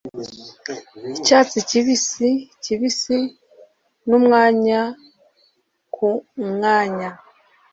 Icyatsi kibisi kibisi numwanya kumwanya